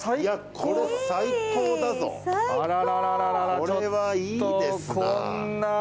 これはいいですなぁ。